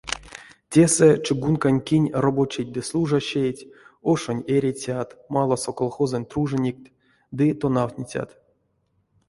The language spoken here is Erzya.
Тесэ — чугункань кинь робочейть ды служащейть, ошонь эрицят, маласо колхозонь труженникть ды тонавтницят.